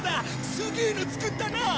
すげえの作ったな。